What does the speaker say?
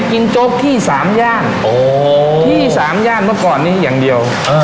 โจ๊กที่สามย่านที่สามย่านเมื่อก่อนนี้อย่างเดียว